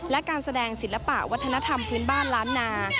และการแสดงศิลปะวัฒนธรรมพื้นบ้านล้านนา